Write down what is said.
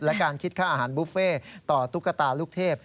และการคิดค่าอาหารบุฟเฟ่ต่อตุ๊กตาลูกเทพ